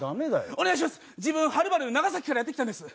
お願いします、自分、はるばる長崎からやってきたんです。